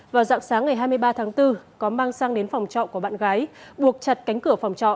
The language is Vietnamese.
vào dạng sáng ngày hai mươi ba tháng bốn có mang sang đến phòng trọ của bạn gái buộc chặt cánh cửa phòng trọ